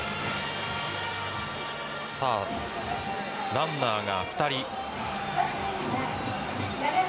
ランナーが２人。